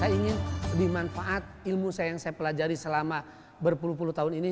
saya ingin lebih manfaat ilmu saya yang saya pelajari selama berpuluh puluh tahun ini